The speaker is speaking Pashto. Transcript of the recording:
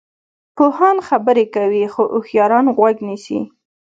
پوهان خبرې کوي خو هوښیاران غوږ نیسي.